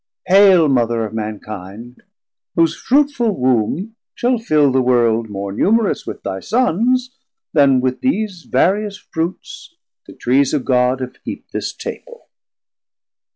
Haile Mother of Mankind, whose fruitful Womb Shall fill the World more numerous with thy Sons Then with these various fruits the Trees of God 390 Have heap'd this Table.